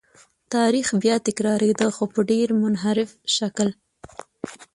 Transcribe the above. تاریخ بیا تکرارېده خو په ډېر منحرف شکل.